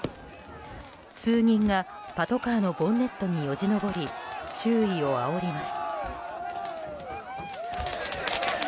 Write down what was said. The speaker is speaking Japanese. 数人がパトカーのボンネットによじ登り周囲をあおります。